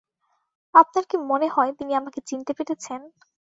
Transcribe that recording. আপনার কি মনেহয় তিনি আমাকে চিনতে পেরেছেন?